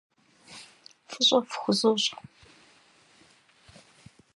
F'ış'e fxuzoş'.